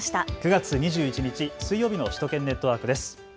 ９月２１日水曜日の首都圏ネットワークです。